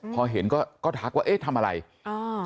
พอเห็นก็ก็ทักว่าเอ๊ะทำอะไรอ่า